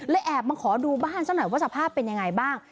แอบมาขอดูบ้านซะหน่อยว่าสภาพเป็นยังไงบ้าง